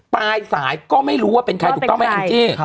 ปลายสายก็ไม่รู้ว่าเป็นใครถูกต้องไหมแองจี้